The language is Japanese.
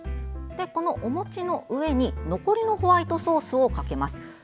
お餅の上に残りのホワイトソースをかけます。